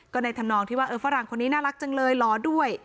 ก็ในธรรมนองที่ว่าเออฝรั่งคนนี้น่ารักจังเลยหล่อด้วย